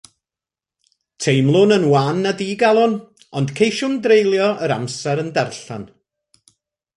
Teimlwn yn wan a digalon, ond ceisiwn dreulio yr amser yn darllen.